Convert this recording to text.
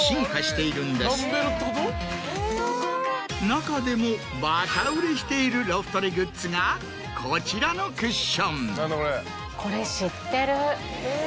中でもバカ売れしているロフトレグッズがこちらのクッション。